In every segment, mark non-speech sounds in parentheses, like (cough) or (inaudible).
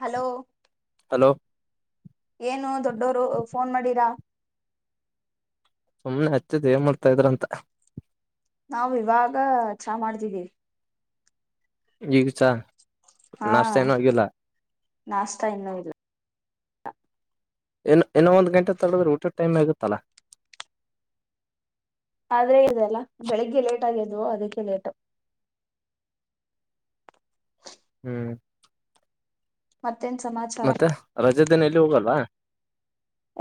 Hello hello ಏನೋ ದೊಡ್ಡೋರು phone ಮಾಡಿರ ಸುಮ್ನೆ ಹಚ್ಚಿದೆ ಏನ್ ಮಾಡ್ತಾ ಇದ್ರಂತ ನಾವು ಇವಾಗ ಚಾ ಮಾಡ್ತಿದ್ದೀವಿ. ಇಗ ಚಾ. ಹಾ ನಾಷ್ಟ ಏನೂ ಆಗಿಲ್ಲ ನಾಷ್ಠಾ ಇನ್ನು ಇಲ್ಲ ಇನ್ನ ಇನ್ನ ಒಂದ್ ಗಂಟೆ ತಡದ್ರೆ ಊಟ ಟೈಮ ಏ ಆಗತ್ತಲ್ಲ ಆದ್ರೆ ಇವೆಲ್ಲಾ ಬೆಳಿಗ್ಗೆ ಲೇಟ್ ಆಗಿದ್ವೋ ಅದಕ್ಕೆ ಲೇಟು ಹ್ಮ್ ಮತ್ತ ಮತ್ತೆ ರಜೆ ದಿನ ಎಲ್ಲೂ ಹೋಗಿಲ್ಲ ವಾ?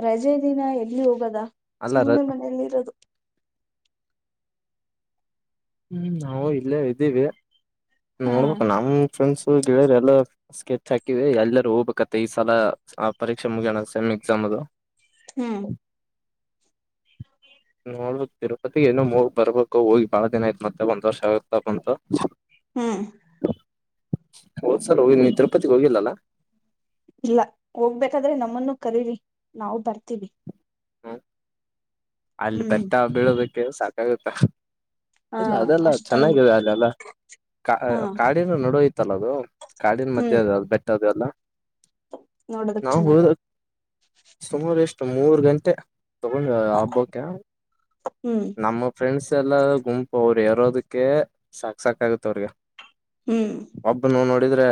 ರಜೆ ದಿನ ಎಲ್ಲಿ ಹೋಗದ ಅಲ್ಲ ರ ಸುಮ್ನೆ ಮನೇೆಯಲ್ಲಿರೋದು ಹ್ಮ್ ನಾವು ಇಲ್ಲೇ ಇದ್ದೀವಿ ಹಾ ನೋಡ್ಬೇಕ ನಮ್ಮ ಫ್ರೆಂಡ್ಸ್ ಹ ಗೆಳೆಯರ್ ಎಲ್ಲ ಸ್ಕೆಚ್ ಹಾಕಿವಿ ಎಲ್ಲರೂ ಹೋಗ್ಬೇಕತ್ತ ಈ ಸಲ ಆ ಪರೀಕ್ಷೆ ಮುಗಿಯೋಣ ಸೆಮ್ ಎಕ್ಸಾಮ್ದು. ಹ್ಮ್ ನೋಡ ಬೇಕು ತಿರುಪತಿ ಇನ್ನೊಮ್ಮೆ ಹೋಗಿ ಬರ್ಬೇಕು ಹೋಗಿ ಬಹಳ ದಿನ ಆಯ್ತ ಮತ್ತೆ ಒಂದು ವರ್ಷ ಆಗ್ತಾ ಬಂತ ಹ್ಮ್ ಹೋದ ಸಲ ಹೋಗಿ ನೀ ತಿರುಪತಿಗ ಹೋಗಿಲ್ಲಲಾ ಇಲ್ಲ ಹೋಗ್ಬೇಕಾದ್ರೆ ನಮ್ಮನ್ನು ಕರಿರಿ ನಾವು ಬರ್ತೀವಿ ಹ್ಮ ಅಲ್ಲಿ ಹ್ಮ್ ಬೆಟ್ಟ ಅದು ಇಳಿದು ಏರ್ ಸಾಕಾಗುತ್ತ ಹಾ ಇಲ್ಲ ಅದೆಲ್ಲ ಅಷ್ಟೊಂದು ಚೆನ್ನಾಗಿದೆ ಅಲ್ಲೆಲ್ಲಾ ಹಾ ಕಾಡಿನ ನಡು ಆಯ್ತಲ್ ಅದು ಕಾಡಿನ ಮಧ್ಯೆ ಹ್ಮ್ ಅದ ಅದ ಬೆಟ್ಟ ಅದು ಎಲ್ಲಾ ನೋಡೋದಕ್ ನಾವು ಹೊದಿದು ಚೆನ್ನಾಗಿರ ಸುಮ ವೇಸ್ಟ್ಸು ಮೂರು ಗಂಟೆ ತಗೊಂಡು ಹ ಹ್ಮ್ ನಮ್ಮ ಫ್ರೆಂಡ್ಸ್ ಎಲ್ಲ ಗುಂಪು ಅವರು ಎರೋದಕ್ಕೆ ಸಾಕ್ ಸಾಕ ಆಗುತ್ತ ಅವರಿಗೆ ಹ್ಮ್ ಒಬ್ಬನು ನೋಡಿದ್ರೆ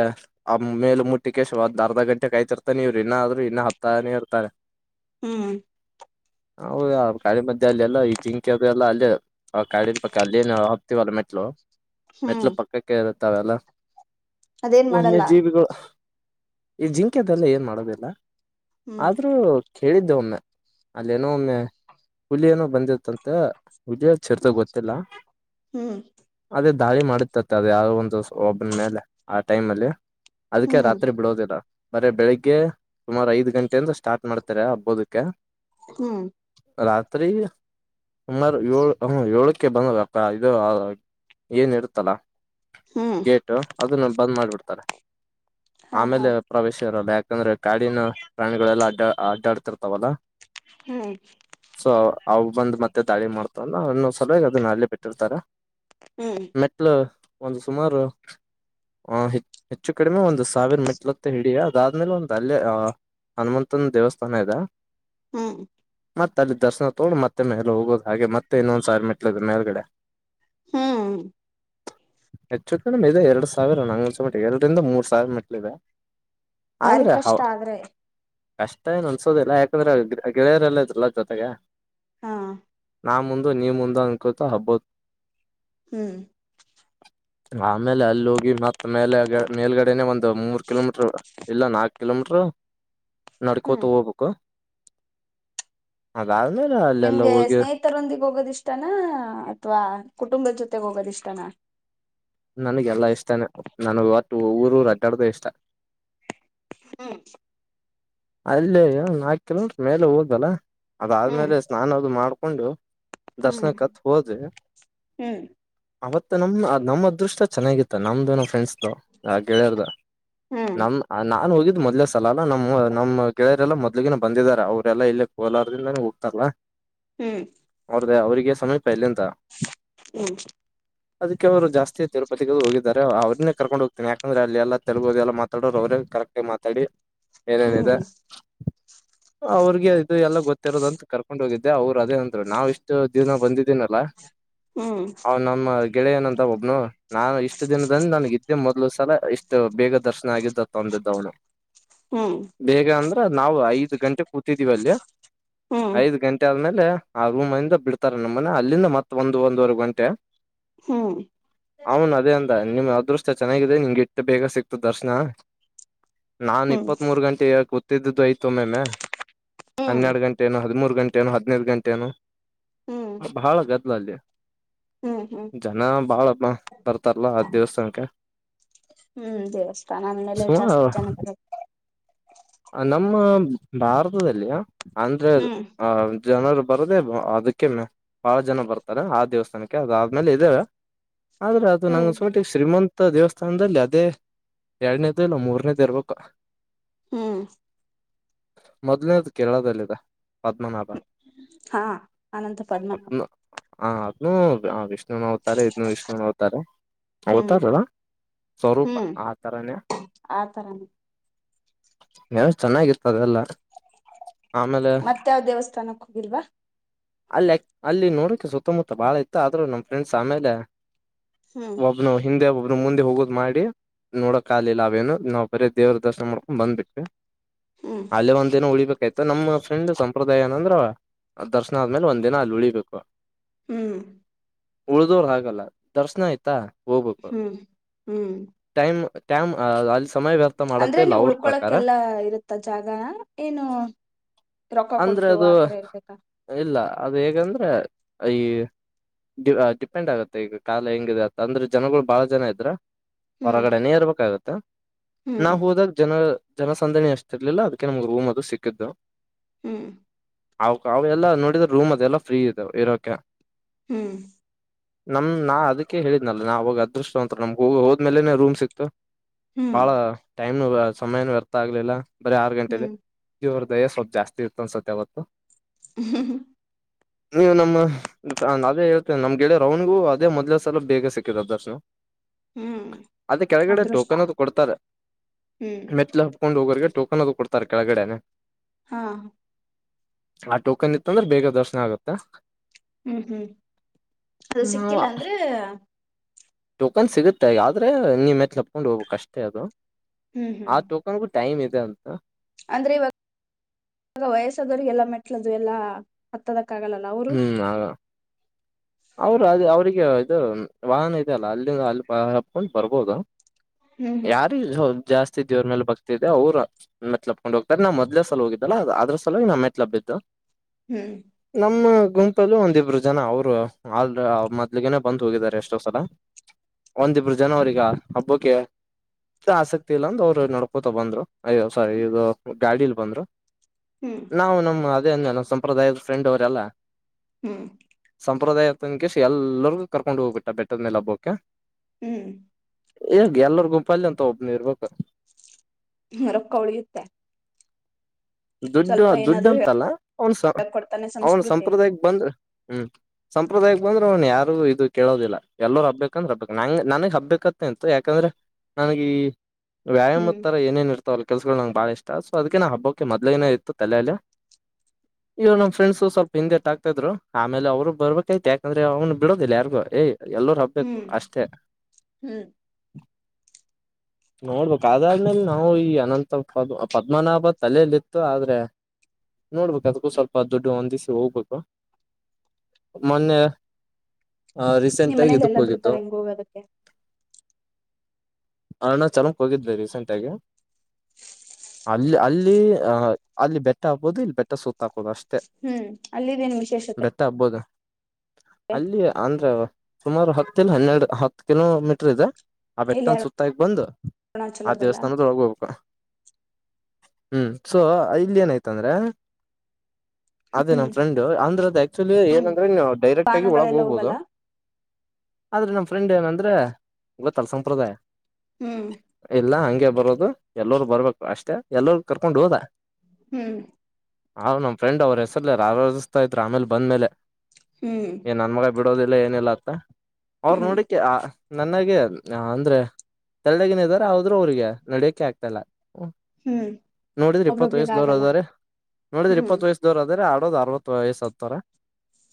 ಆ ಮೇಲೆ ಮುಟ್ಟಿ ಕೇಶಿ ಒಂದು ಅರ್ಧ ಗಂಟೆ ಕಾಯ್ತಿರ್ತಾನೆ ಇವರು ಇನ್ನಾದ್ರು ಇನ್ನೂ ಹತ್ತನೇ ಇರ್ತಾರೆ ಹ್ಮ್ ಹೌದು ಅದು (unintelligible) ಮತ್ತ ಅಲಿ ಎಲ್ಲಾ ಹಕಿ ಅದು ಎಲ್ಲಾ ಅಲ್ಲೇ ಕಾಡಿನ ಪಕ್ಕ ಅಲ್ಲಿ ಏನ್ ಹತೀವಲ್ಲ ಮೆಟ್ಲು ಮೆಟ್ಟಿಲು ಹ್ಮ್ ಪಕ್ಕಾಕೆ ಇರುತೆ ತಾವೆಲಾ ಅದೇನ್ ಮಾಡಲ್ಲ ವನ್ಯಜೀವಿಗಳು ಈ ಜಿಂಕೆ ಅದೆಲ್ಲ ಏನ್ ಮಾಡೋದಿಲ್ಲ ಹ್ಮ್ ಆದ್ರೂ ಕೇಳಿದ್ದ ಕೇಳಿದೆ ಒಮ್ಮೆ ಅಲ್ಲಿ ಏನೋ ಒಮ್ಮೆ ಹುಲಿ ಏನೋ ಬಂದಿತ್ತ ಅಂತ ಹ ವಿಜಯ ಚರ್ಚ್ ಹ್ಮ್ ಗೊತ್ತಿಲ್ಲ ಹ್ಮ್ ಅದೇ ದಾರಿ ಮಾಡತ್ತತ್ತ ಅದ ಯಾವ ಒ ಒಬ್ಬನ ಮೇಲೆ ಆ ಟೈಮ ಅಲ್ಲಿ ಅದಕ್ಕೆ ಹ್ಮ್ ರಾತ್ರಿ ಬಿಡೋದಿಲ್ಲ. ಬರ ಬೆಳಿಗ್ಗೆ ಸುಮಾರು ಐದು ಗಂಟೆಯ ಹಿಂದ ಸ್ಟಾರ್ಟ್ ಮಾಡ್ತಾರೆ ಹಬ್ಬೋದಕ್ಕೆ ಹ್ಮ್ ರಾತ್ರಿ. ಸುಮಾರು ಏಳು ಹ್ಮ ಏಳಕ್ಕೆ ಬಂದಬೇಕಕ್ಕ ಇದು ಏನ್ ಇರುತ್ತಲ್ಲಾ ಹ್ಮ್ ಗೇಟು ಅದನ್ನ ಬಂದ್ ಮಾಡಿಬಿಡ್ತಾರೆ ಹಾ ಹಾ ಆಮೇಲೆ ಪ್ರವೇಶ. (unintelligible) ಯಾಕಂದ್ರೆ ಕಾಡಿನ ಪ್ರಾಣಿಗಳಅಡ್ಡ ಅಡ್ಡಾಡ್ತಿರ್ತಾವಲ್ಲಾ ಹೂಂ ಅ ಬಂದ್ ಮತ್ತೆ ದಾಳಿ ಮಾಡತನಲ್ಲ ಇನ್ನೊಂದ್ ಸಲ. (inaudible) ಅಲ್ಲಿೇ ಬಿಟ್ಟಿರ್ತಾರ ಹ್ಮ್ ಮೆಟ್ಲು ಒಂದು ಸುಮಾರು ಆ ಹೆಚ್ಚು ಕಡಿಮೆ ಒಂದು ಸಾವಿರ ಮೆಟ್ಲತ್ತ ಹಿಡಿಯ ಅದಾದ್ಮೇಲೆ ಒಂದು ಅಲ್ಲೇ ಹನುಮಂತನ ದೇವಸ್ಥಾನ ಇದೆ. ಹ್ಮ್ ಮತ್ತ ಅಲ್ಲಿ ದರ್ಶನ ತಗೋ ಮತ್ತೆ ಮ. ಹೋಗೋದು ಹಾಗೆ ಮತ್ತೆ ಇನ್ನೊಂದ ಸಾರಿ ಮೆಟ್ಲು ಮೇಲ್ಗಡೆ ಹ್ಮ್ ಹೆಚ್ಚು ಕಡಿಮೆ ಇದಾವೆ ಎರಡು ಸಾವಿರ ನಂಗ್ಅನ್ಸು ಮಟ್ಟಿಗೆ ಎರಡರಿಂದ ಮೂರ್ ಸಾವಿರ ಮಟ್ಲಿವೆ ಭಾರಿ ಕಷ್ಟ ಆದ್ರೆ ಕಷ್ಟೇಏನ್ ಅನ್ಸೋದಿಲ್ಲ ಯಾಕಂದ್ರೆ ಗೆ ಗೆಳೆಯರೆಲ್ಲ ಇದ್ರಲ ಜೊತೆಗೆ. ಹಾ ನಾ ಮುಂದು ನೀ ಮುಂದ ಅನ್ಕೊತಾ ಹಬ್ಬೋದ್ ಹ್ಮ್ ಆಮೇಲೆ ಅಲ್ಲೋಗಿ ಮತ್ತೆ ಮೇಲೆ ಮೇಲ್ಗಡೆನೆ ಒಂದು ಮೂರು ಕಿಲೋಮೀಟರ್ ಇಲ್ಲ ನಾಲ್ಕು ಕಿಲೋಮೀಟರ್ ನಡ್ಕೋತ ಹ್ಮ್ ಹೋಗಬೇಕು. ಹ ಗಾವ ನ ರ ನಿಮ್ಗೆ ಸ್ನೇಹಿತರೊಂದಿಗೆ ಹೋಗೋದಿಷ್ಟಾನ ಅಥವಾ ಕುಟುಂಬ ಜೊತೆ ಹೋಗದಿಷ್ಟಾನ. ನನಗೆಲ್ಲಾ ಇಷ್ಟ. ತನ ನಾನು. (unintelligible) ಊರೂರು ಅಡಾಡ್ದ ಇಷ್ಟ. ಹ್ಮ ಅಲ್ಲಿೇ ಒ ನಾಕು ಕಿಲೋಮೀಟರ್ ಮೇಲೆ ಹೋದಲ್ಲ. ಹ್ಮ್ ಅದಾದ್ಮೇಲೆ ಸ್ನಾನ ಅದು ಮಾಡ್ಕ ಒಂದುು. ಹ್ಮ್ ದರ್ಶನುಕ್ಕಂತೂ ಹೋದ್ವಿ ಹ್ಮ್ ಅವತ್ ನಮ್ ನಮ್ಮ್ ಅದೃಷ್ಟ ಚೆನ್ನಾಗಿತ್ತ ನಮ್ದು ನಮ್ಮ್ ಫ್ರೆಂಡ್ಸ್ ಆ ಗೆಳೆಯರ್ದ ನಮ್ ಅ ನಾನ್ ಹೋಗಿದ್ದ. ಮೊದ್ಲ ಸಲಾಲ ನಮ್ಮ ನಮ್ ಗೆಳೆಯರೆಲ್ಲ ಮೊದಲಿಗೆನೇ ಬಂದಿದ್ದಾರೆ ಅವರೆಲ್ಲ ಇಲ್ಲೇ ಕೋಲಾರ್ದಿಂದನೇ ಹೋಗ್ತಾರಲ್ಲ ಹ್ಮ್ ಅವರಿಗೆ ಸಮೀ ಫೈಲಂದ (unintelligible) ಹ್ಮ್ ಅದಕ್ಕೆ ಅವ್ರು ಜಾಸ್ತಿ ತಿರುಪತಿಗೆ ಹೋಗಿದ್ದಾರೆ ಅವ್ರನ್ನೇ ಕರ್ಕೊಂಡ ಹೋಗ್ತನಿ ಯಾಕಂದ್ರೆ ಅಲ್ಲಿ ಎಲ್ಲಾ ತೆಲುಗುದಲ್ಲಿ ಎಲ್ಲ ಮಾತಾಡೋರು ಅವರೇ ಕರೆಕ್ಟ ಆಗಿ ಮಾತಾಡಿ. (unintelligible) ಹ್ಮ್ ಅವ್ರಿಗೆ ಇದು ಎಲ್ಲ ಗೊತ್ತಿರೋದಂತ ಕರ್ಕೊಂಡ್ ಹೋಗಿದ್ದೆ ಅವ್ರು ಅದೇನಂದ್ರು ನಾವ್ ಇಷ್ಟು ದಿನ ಬಂದಿದ್ದೀನಲ್ಲ. ಹ್ಮ್ ಹ್ಮ್ ನಮ್ಮ ಗೆಳೆಯನಂತ ಒಬ್ಬನು ನಾನಿಷ್ಟು ದಿನದನ್ ನನಗಿದ್ದ್ದ ಮ ಸಲ ಇಷ್ಟು ಬೇಗ ದರ್ಶನ ಆಗಿದ್ದ ತಂದಿದ್ದ ಅವನು ಹ್ಮ್. ಬೇಗ ಅಂದ್ರ ನಾವು ಐದ್ ಗಂಟೆ ಕೂತಿದ್ದೀವ ಅಲ್ಲಿ ಹ್ಮ್ ಐದ್ ಗಂಟೆ ಆದ್ಮೇಲೆ. ಆ ರೂಮ್ಂದ ಬಿಡ್ತಾರೆ ನಮ್ಮನೆ ಅಲ್ಲಿಂದ ಮತ್ತ ಒಂದ ಒಂದವರೆ ಗಂಟೆ. ಹ್ಮ್. ಅವನ್ ಅದೇ ಅಂದ ನಿಮ್ ಅದೃಷ್ಟ ಚೆನ್ನಾಗಿದೆ ನಿಮ್ಗೆ ಇಟ್ಟ ಬೇಗ ಸಿಕ್ತು ದರ್ಶನ. ನಾನ್ ಹ್ಮ್ ಇಪ್ಪತ್ತ್ ಮೂರು ಗಂಟೆ. ಕೂತ್ತಿದ್ದುಯ್ತೊಮ್ಮೆಮ್ಮೆ ಹನ್ನೆರಡು ಗಂಟೆ ನೋ ಹದಿಮೂರು ಗಂಟೆ ಹದಿನೈದು ಗಂಟೆನೋ ಹ್ಮ್ ಭಾಳ ಗತ್ತ ಬ (inaudible) ಹ್ಮ್ ಹ್ಮ್ ಜನ ಬಾಳ ಬರ್ತಾರಲ್ಲ ಆ ದೇವಸ್ಥಾನಕ್ಕೆ ಹ್ಮ್ ದೇವಸ್ಥಾನ ಅಂದ್ಮೇಲೆ ಜಾಸ್ತಿ ಜನ ಬರದು ನಮ್ಮ ಭಾರತದಲ್ಲಿಯಾ ಅಂದ್ರೆ ಹ್ಮ್ ಆ ಜನರು ಬರೋದೇ ಅದಕ್ಕೆನೆ ಬಹಳ ಜನ ಬರ್ತಾರೆ ಆ ದೇವಸ್ಥಾನಕ್ಕೆ ಅದಾದ್ಮೇಲೆ ಇದೇವೆ. ಆದ್ರೆ ಅದು ನನ್ ಹ್ಮ್ ಅನಿಸ್ಮಟ್ಟಿಗೆ ಶ್ರೀಮಂತ ದೇವಸ್ಥಾನದಲ್ಲಿ ಅದೇ ಎರಡನೇದು ಇಲ್ಲ ಮೂರ್ನೇದು ಇರ್ಬೇಕು ಹ್ಮ್. ಮೊದಲನೇದು ಕೇರಳದಲ್ಲಿದೆ ಪದ್ಮನಾಭ ಹಾ ಅನಂತ ಪದ್ಮನಾಭ ಅದ್ನು ಹ ಅದು ಅದಿಷ್ ಅವತಾರೆ ಇದನ್ನು ವಿಷ್ಣುನ ಅವತಾರ ಹ್ಮ್ ಅವತಾರ್ ಏನ್ ಸ್ವರೂಪ ಹ್ಮ್ ಆತರನೇ ಆತರ ಎಸ್ಟ್ ಚೆನ್ನಾಗಿತ ಅದೆಲ್ಲಾ ಮತ್ತ ಯಾವ್ ದೇವಸ್ಥಾನಕ್ ಹೋಗಿಲ್ವಾ ಅಲ್ಲ ಅಲ್ಲಿ ನೋಡೋಕೆ ಸುತ್ತಮುತ್ತ ಬಾಳ ಇತ್ತು ಆದ್ರರು ನಮ್ ಫ್ರೆಂಡ್ಸ್ ಆಮೇಲೆ ಹ್ಮ್ ಒಬ್ನು ಹಿಂದೆ ಒಬ್ಬ ಅವರು ಮುಂದೆ ಹೋಗೋದ್ ಮಾಡಿ ನೋಡಕ್ ಆಗ್ಲಿಲ್ಲ ಅವೇನು ನಾವು ಬರೀ ದೇವ್ರ ದರ್ಶನ ಮಾಡ್ಕೊಂಡ್ ಬಂದ್ವಿ (unintelligible) ಹ್ಮ್ ಅಲ್ಲೆ ಒಂದಿನ ಉಳಿಬೇಕ್ ಈತ ನಮ್ಮ ಫ್ರೆಂಡ್ ಸಂಪ್ರದಾಯ ಏನಂದ್ರ ದರ್ಶನ ಆದ್ಮೇಲ್ ಒಂದಿನ ಅಲ್ ಉಳಿಬೇಕು. ಹ್ಮ್ ಉಳ್ದೋರ್ ಹಾಗಲ್ಲ ದರ್ಶ್ನ ಆಯ್ತಾ ಹೋಗ್ಬೇಕು ಹ್ಮ್ ಹ್ಮ್ ಟ್ಯಾಮ್ ಅ ಅಲ್ಸ್ ಸಮಯ ವ್ಯರ್ಥ ಮಾಡಂತಿಲ್ಲ ಅವ್ರ್ ಪ್ರಕಾರ. ಅ ಇರುತ್ತ ಜಾಗ ಏನು ರೊಕ್ಕ ಅಂದ್ರೆ ಕೊಟ್ಟು ಅದು ಆತರ ಇರ್ಬೇಕಾ? ಅಯ್ ಡಿವ ಡಿಪೆಂಡ್ ಆಗುತ್ತೆ ಈಗ ಕಾಲ ಹೆಂಗಿದೆ ಅಂತ ಜನಗಳು ಬಾಳ ಜನ ಇದ್ರ ಹ್ಮ್ ಹೊರಗಡೆನೆೇ ಇರ್ಬೇಕಾಗುತ್ ತ್ತ ನಾ ಹ್ಮ್ ಹೋದಾಗ್ ಜನ ಜನಸಂದಣಿ ಅಷ್ಟಿರ್ಲಿಲ್ಲ ಅದಕ್ಕೆ ನಮ್ಗ್ ರೂಮ್ ಅದು ಸಿಕ್ಕಿದ್ದು. ಹ್ಮ್ ಅವ್ ಕ ಅವೆಲ್ಲಾ ನೋಡಿದ್ರೆ ರೂಮ್ ಅದೆಲ್ಲಾ ಫ್ರೀ ಇದವ ಇರಕೆ. ಹ್ಮ್ ನಮ್ ನಾ ಅದುಕ್ಕೆ ಹೇಳಿದ್ನಲ್ಲ ನಾ ಹೋಗ್ ಅದೃಷ್ಟವಂತ್ರು ನಮ್ಗೆ ಹೋ ಹೋದ್ಮೇಲೆೇನೆ ರೂಮ್ ಸಿಕ್ತು. ಬಾಳ ಹ್ಮ್ ಟೈ ಇನ್ನೂ ಸಮಯನು ಗೊತ್ತಾಗ್ಲಿಲಾ ಬರೆ ಆರು ಗಂಟೆಲ್ಲಿ ಹ್ಮ್ ನಿದ್ದೆ ಬರ್ತ್ ದಯ ಸ್ವಲ್ಪ ಜಾಸ್ತಿ ಇರ್ತ ಅದ ಸದ್ದೇ ಹೊತ್ತು ಹ್ಮ್ ಹ ನೀವ್ ಏನ್ ಅಮ್ಮ ಅದೇ ಹೇಳ್ತೇ ನಮ್ ಗೆಳೆಯರ್ ಅವನಿಗೂ ಅದೇ ಮೊದ್ಲೇ ಸಲ ಬೇಗ ಸಿಕ್ಕಿದೆ ದರ್ಶನ ಹ್ಮ್ ಅದ ಕೆಳಗಡೆ ಅದೃಷ್ಟ ಟೋಕನ್ ಅದು ಕೊಡ್ತಾರೆ ಹ್ಮ್ ಮೆಟ್ಲು ಹೋಗರಿಗೆ ಟೋಕನ್ ಅದು ಕೊಡ್ತಾರೆ ಕೆಳಗಡೆನೆ ಹಾ ಆ ಟೋಕನ್ ಇತ್ತಂದ್ರೆ ಬೇಗ ದರ್ಶನ ಆಗತ್ತೆ ಹ್ಮ್ ಹ್ಮ್ ಅದು ಸಿಕ್ಕಿಲ್ಲ ಅಂದ್ರೆ ಟೋಕನ್ ಸಿಗುತ್ತೆ ಆದ್ರೆ ನೀ ಮೆಟ್ಲು ಅತ್ಕೊಂಡು ಹೋಗಬೇಕು ಅಷ್ಟೇ ಅದು ಹ್ಮ್ ಹ್ಮ್ ಆ ಟೋಕನ್ ಗು ಟೈಮ್ ಇದೆ ಅಂತ ಅಂದ್ರೆ ಇವತ ವಯಸ ಆದವರಿಗೆ ಎಲ್ಲಾ ಮೆಟ್ಲ ಅದು ಎಲ್ಲಾ ಹತ್ತದ ಹ್ಮ್ ಆ ಅವರು ಅದೇ ಅವ್ರಿಗೆ ಈಗ ಇದು ವಾಹನ ಇದೆ ಅಲ್ಲ ಅಲ್ಲಿಂದ ಅಲ್ಲಿ ಹತ್ಕೊಂಡು ಬರ್ಬೋದು ಹ್ಮ್ ಯಾರ ಇಲ್ಲಾ ಸ್ವಲ್ಪ ಜಾಸ್ತಿ ಸಿದ್ದ ದೇವರ ಮೇಲೆ ಭಕ್ತಿ ಇದೆ ಮೆಟ್ಟಲು ಹತ್ಕೊಂಡು ಹೋಗ್ತಾರೆ ನಾನು ಮೊದಲ ಸಲ ಹೋಗಿದ್ದಲ್ಲ ಅದ್ರ ಸಲುವಾಗಿ ಮೆಟ್ಟಲು ಹತ್ತಿದ್ದು ಹ್ಮ್ ಮ್ಮ ಗುಂಪಲು ಒಂದಿಬ್ರು ಜನ ಅವ್ರು ಆಲ್ ಮೊದ್ಲುಗೆನೆೇ ಬಂದು ಹೋಗಿದ್ದಾರೆ ಎಷ್ಟೋ ಸಲ ಒಂದಿಬ್ರು ಜನ ಅವ್ರಿಗೆ ಹಬ್ಬುಕೆ ಆಸಕ್ತಿ ಇಲ್ಲಂದ ಅವ್ರೆ ನೋಡ್ಕೋತ ಬಂದ್ರು ಅಯ್ಯೋ ಸಾರಿ ಇದು ಗಾಡಿಲ್ ಬಂದ್ರು ಹ್ಮ್ ನಾವು ನಮ್ಮ ದೆ ಅಂದ್ನಲ್ಲ ಸಂಪ್ರದಾಯದ ಫ್ರೆಂಡು ದೆಲ್ಲಾ ಹ್ಮ್ ಸಂಪ್ರದಾಯದ ತನ್ಕೇಶ್ ಎಲ್ಲರ್ಗೂ ಕರ್ಕೊಂಡ್ ಹೋಗ್ಬಿಟ್ಟ ಬೆಟ್ಟದ್ ಮೇಲ್ ಹಬ್ಬುಕ್ಕೆ ಹ್ಮ್ ಈಗ್ ಎಲ್ಲರ್ ಗುಂಪಲ್ಲಿ ಅಂತ ಒಬ್ನ ಇರ್ಬೇಕು ರೊಕ್ಕ ಉಳಿಯುತ್ತೆ ದುಡ್ಡು ಸ್ವಲ್ಪ ಆ ದುಡ್ಡ ಏನಾದ್ರು ಅಂತಲ್ಲ ಅವನ್ ಸ ಕೊಡ್ತಾನೆ ಅವ್ನ್ ಸಂಸ್ಕೃತಿ ಸಂಪ್ರದಾಯಕ್ ಬಂದ್ರ ಹ್ಮ್ ಸಂಪ್ರದಾಯಕ್ ಬಂದ್ರೆ ಅವನ್ ಯಾರು ಇದು ಕೇಳೋದಿಲ್ಲ ಎಲ್ಲರುೂ ಹಬ್ಬಬೇಕಂದ್ರೆ ಹಬ್ಬಬೇಕು ನಂ ನನಗ್ ಹಬ್ಬಬೇಕತ್ತ ಅಂತ ಯಾಕಂದ್ರೆ ನನ್ಗೆ ಈ ವ್ಯಾಯಾಮ ಹ್ಮ್ ತರ ಏನೇನ್ ಇರ್ತಾವಲ್ ಕೆಲ್ಸಗಳು ನಗೆ ಬಾಳ ಇಷ್ಟ ಸೊ ಅದಕ್ಕೆ ನ ಹಬ್ಕ್ ಯಕೆ ಮೊದ್ಏನ ಇತ್ತು ತಲೆಲ್ಲ ಇವ ನಮ್ಮ ಫ್ರೆಂಡ್ಸ್ು ಸ್ವಲ್ಪ ಹಿಂದೆಟ್ಟ ಆಕ್ತಾ ಇದ್ರು ಆಮೇಲೆ ಅವರು ಬರ್ಬೇಕೈತಿ ಯಾಕಂದ್ರೆ ಅವ್ನು ಬಿಡೋದಿಲ್ಲ ಯಾರಿಗೂ ಯ್ ಎಲ್ಲರ ಹಬ್ಬೇಕು ಹ್ಮ್ ಅಷ್ಟೇ ಹ್ಮ್ ನೋಡ್ಬೇಕ ಆದ್ಮೇಲೆ ನಾವು ಈ ಅನಂತ ಪದ್ಮ ಪದ್ಮನಾಭತ್ ತಲೆಯಲ್ಲಿತ್ತು ಆದ್ರೆ ನೋಡ್ಬೇಕು ಅದಕ್ಕೂ ಸ್ವಲ್ಪ ದುಡ್ಡು ಒಂದಿಸಿ ಹೋಗ್ಬೇಕು ಮೊನ್ನೆ ರೀಸೆಂಟ್ ನಿಮ್ಮ ಮನೇಲಿ ಎಲ್ಲಾ ಬಿಡ್ತಾರೆ ಹಿಂಗ ಹೋಗದಿಕ್ಕೆ? ಅಣ ಚೆನ್ನಕ್ ಹೋಗಿದ್ೆ ರೀಸೆಂಟ್ ಆಗಿ ಅಲ್ಲಿ ಅಲ್ಲಿ ಅಲ್ಲಿ ಬೆಟ್ಟ ಹಾಕ್ಬಹುದು ಇಲ್ಲಿ ಬೆಟ್ಟ ಸುತ್ತ ಹಾಕೋುದು ಅಷ್ಟೇ ಹ್ಮ್ ಅಲ್ಲಿದ್ದೇನು ವಿಶೇಷತೆ ಬೆಟ್ಟ ಹಬೋದು ಅಲ್ಲಿ ಅಂದ್ರ ಸುಮಾರು ಹತ್ತ ಇಲ್ಲ ಹನ್ನೆರಡು ಹತ್ತು ಕಿಲೋ ಮೀಟರ್ ಇದೆ. ಆ ಇಲ್ಲಿ ಬೆಟ್ಟನ್ ಸುತ್ತು ಹಾಕಿ ಬಂದು್ ಆ ಅರುಣಾಚಲದಲ್ಲ ದೇವಸ್ಥಾನದೊಳಗ್ ಹೋಗಬೇಕು ಹ್ಮ್ ಸೊ ಇಲ್ಲಿ ಏನಾಯ್ತಂದ್ರೆ ಅದೇ ಹ್ಮ್ ನಮ್ಮ್ ಫ್ರೆಂಡ್ ಅಂದ್ರೆ ಅದು ಆಕ್ಚುಲಿ ಹ್ಮ್ ಏನಂದ್ರೆ ನೀವು ಡೈರೆಕ್ಟ್ ಆಗಿ ಒಳಗ ಬಾನಗಳೆಲ್ಲ ಹೋಗ್ಬಹುದು ಹೋಗಲ್ಲ ಆದ್ರೆ ನಮ ಫ್ರೆಂಡ್ ಏನಂದ್ರೆ ಗೊತ್ತಲ್ಲಾ ಸಂಪ್ರದಾಯ ಹ್ಮ್ ಎಲ್ಲಾ ಹಂಗೆ ಬರೋದು ಎಲ್ಲರೂ ಬರಬೇಕು ಅಷ್ಟೇ ಎಲ್ಲರೂ ಕರ್ಕೊಂಡು ಹೋದ ಹ್ಮ್ ಆವ ನಮ್ಮ ಫ್ರೆಂಡ್ ಅವ್ರ ಹೆಸರ್ಲ್ಲಾರ ಆಾರಧಿಸ್ತಾ ಇದ್ರು ಆಮೇಲೆ ಬಂದ್ಮೇಲೆ ಹ್ಮ್ ಏ ನನ್ಮಗ ಬಿಡೋದಿಲ್ಲ ಏನೆಲ್ಲ ಆತ್ ಅವ್ರ ಹ್ಮ್ ನೋಡಕ್ಕೆ ಆ ನನಗೆ ಅಂದ್ರೆ ತಳ್ಳಗಿನ ಇದ್ದಾರ ಆದ್ರರು ಅವ್ರಿಗೆ ನಡಿಯಕ್ಕೆೆ ಆಗ್ತ ಇಲ್ಲ ಹ್ಮ್ ನೋಡಿದ್ರಿ ಇಪ್ಪತ್ ಒಬ್ರೊಬ್ರಿಗ ವಯಸ್ಸ ದೋವರ ಆಗಲ್ಲ ಅದ್ರೆ ನೋಡಿದ್ರಿ ಹ್ಮ್ ಇಪ್ಪತ್ ವಯಸ್ಸ ದೋರ ಅದ್ರೆ ್ ಅರವತ್ತು ವಯಸ್ಸ ಹತ್ತಾರರ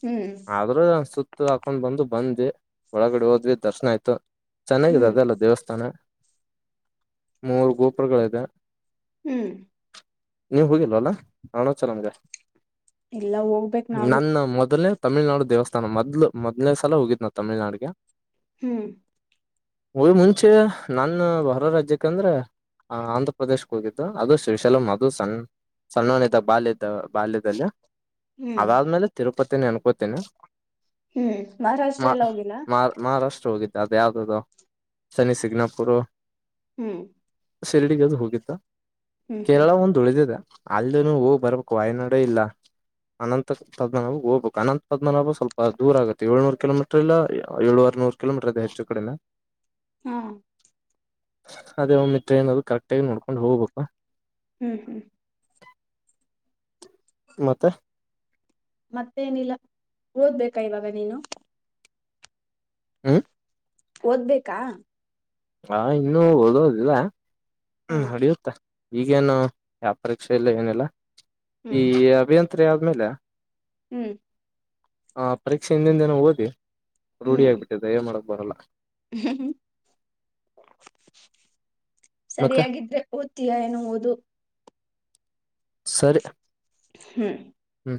ಹ್ಮ್ ಆದ್ರೂ ಸುತ್ತ (inaudible) ಹಾಕೊಂಡು ಬಂದು ಬಂದ್ವಿ ಒಳಗಡೆ ಹೋದ್ವಿ ದರ್ಶನ ಆಯ್ತು ಚೆನ್ನಾಗಿದೆ ಹ್ಮ್ ಅದೆಲ್ಲ ದೇವಸ್ಥಾನ ಮೂರ್ ಗೋಪುರಗಳಿದೆ. ಹ್ಮ್ ನೀವ್ ಹೋಗಿಲ್ವಲ್ಲ ಅರುಣಾಚಲಂಗೆ? ಇಲ್ಲ ಹೋಗ್ಬೇಕ್ ನಾವು ನನ್ ಮೊದುಲ್ನೆ ತಮಿಳ್ನಾಡು ದೇವಸ್ಥಾನ ಮೊದ್ಲು ಮೊದ್ ಲ್ನೇ ಸಲ ಹೋಗಿದ್ ನಾನ್ ತಮಿಳ್ನಾಡ್ಗೆ. ಹ್ಮ್ ಊರಿಗ್ ಮುಂಚೆ ನನ್ ಹೊರ ರಾಜ್ಯಕ್ ಅಂದ್ರೆ ಅ ಆಂಧ್ರ ಪ್ರದೇಶ್ ಹೋಗಿದ್ದೊ ಅದು ಶ್ರೀಶೈಲಂ ಅದು ಸಣ್ ಸಣ್ಣವ್ನಿದ್ದಾಗ ಬಾಲ್ಯದ ಬಾಲ್ಯದಲ್ಲಿ ಹ್ಮ್ ಅದಾದ್ಮೇಲೆ ತಿರು ಪತಿನೆ ಅನ್ಕೋತೀನಿ. ಹ್ಮ್ ಮಹಾರಾಷ್ಟ್ರ ಎಲ್ಲ ಹೋಗಿಲ್ಲ? ಷ್ಟ ಹೋಗಿದ್ ಅದ್ ಯಾವ್ದದು ಶನಿ ಸಿಗ್ನಾಪುರು ಹ್ಮ್ ಶಿರಡಿಗಾದ್ರು ಹೋಗಿದ್ದ? ಹ್ಮ್ ಹ್ಮ್ ಕೇರಳ ಒಂದು ಉಳಿದಿದೆ. ಅಲ್ಲನು ಹೋಗ್ ಬರ್ಬೇಕು ವಾಯನಾಡ ಇಲ್ಲ ಅನಂತ ತದ ನ ಹೋಗ್ಬೇಕು ಅನನ್ ಪದ್ಮನಾಬು ಸ್ವಲ್ಪ ದೂರ ಆಗು ಏಳ್ನೂರ್ ಕಿಲೋಮೀಟರ್ ಇಲ್ಲ ಏಳು ಆರ್ನೂರು ಕಿಲೋಮೀಟ್ರ್ ಇದೆ ಹೆಚ್ಚು ಕಡಿಮೆ ಹ್ಮೂ ಅದೇ ಮತ್ತೆ ಅನ್ನೋದು ಕರೆಕ್ಟ್ ಆಗಿ ನೋಡ್ ಅಲ್ ಹೋಬೇಕು. ಹ್ಮ್ ಹ್ಮ್ ಮತ್ತೆ ಮತ್ತೇ ನಿಲ್ಲ ಓದ್ಬೇಕಾ ಇವಾಗ ನೀನು, ಹ್ಮ ಓದ್ಬೇಕಾ. ಹಾ ಇನ್ನು ಓದೋದಿಲ್ಲ ಹಾ ಹ್ಮ್ ಹಡಿಯುತ್ತೆ. ಈಗೇನು ಯಾವ ಪರೀಕ್ಷೆ ಇಲ್ಲ ಏನಿಲ್ಲ. ಈ ಹ್ಮ್ ಅಭಿಯನ್ ತ್ರೆ ಆದ್ಮೇಲೆ ಹ್ಮ್ ಹ ಪರೀಕ್ಷೆ ಹಿಂದಿಂದೇನೆ ಓದಿ ರೂಢಿ ಹ್ಮ್ ಆಗ್ಬಿಟ್ಟಿದೆ ಅದೇನ್ ಮಾಡ ಬರಲ್ಲ ಹ್ಮ್, ಮತ್ತೆ ಸರಿಯಾಗಿದ್ರೆ ಓದ್ತೀಯಾ ಏನ ಓದು. ಸರಿ. ಹ್ಮ್. ಹ್ಮ